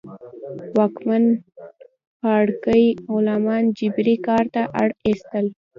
واکمن پاړکي غلامان جبري کار ته اړ اېستل.